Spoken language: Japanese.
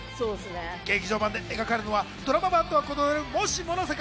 劇場版で描かれるのはドラマ版とは異なる、もしもの世界。